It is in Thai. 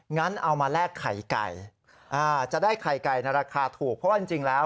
งั้นเอามาแรกไข่ก่ายอ้าจะได้ไข่ก่ายนรักคายถูกเพราะว่าจริงจริงแล้ว